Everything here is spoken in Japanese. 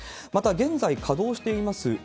また、現在稼働しています